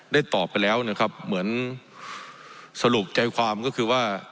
ตอบไปแล้วนะครับเหมือนสรุปใจความก็คือว่า